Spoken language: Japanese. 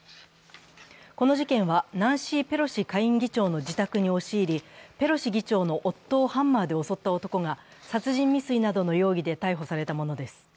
この事件はナンシー・ペロシ下院議長の自宅に押し入りペロシ議長の夫をハンマーで襲った男が殺人未遂などの容疑で逮捕されたものです。